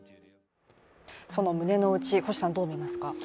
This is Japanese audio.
その胸の内、星さんどう思いますか？